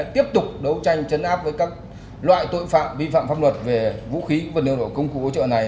tiếp tục đấu tranh chấn áp với các loại tội phạm vi phạm pháp luật về vũ khí vật liệu nổ công cụ hỗ trợ này